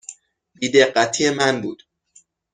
بی دقتی من بود.